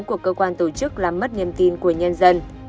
của cơ quan tổ chức làm mất niềm tin của nhân dân